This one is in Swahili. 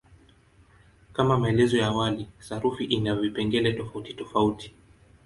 Kama maelezo ya awali, sarufi ina vipengele tofautitofauti.